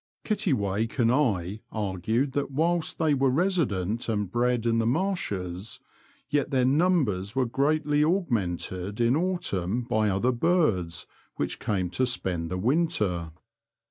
Kittiwake and I argued that whilst they were resident and bred in the marshes, yet their numbers were greatly augmented in autumn by other birds which came to spend the winter.